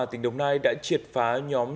tỉnh đồng nai đã triệt phá nhóm